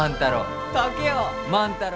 万太郎。